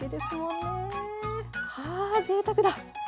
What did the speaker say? あぜいたくだ！